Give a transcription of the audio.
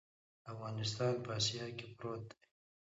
افغانستان په اسیا کې پروت دی.